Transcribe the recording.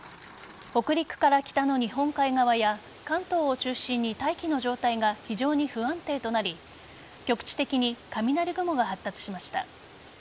北陸から北の日本海側や関東を中心に大気の状態が非常に不安定となり局地的に雷雲が発達しました。